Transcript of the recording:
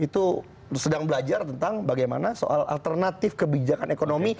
itu sedang belajar tentang bagaimana soal alternatif kebijakan ekonomi